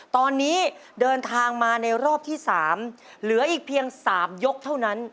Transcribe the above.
ตอนนี้เดินทางมาในรอบที่๓เหลืออีกเพียง๓ยกเท่านั้น